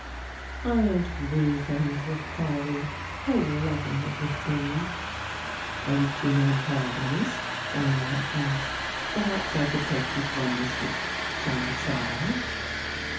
"Why aren't we going to a party? How lovely it would be!" "Are you keen on parties?" my lover asked, "Perhaps I could take you to one this week. Shall I try?"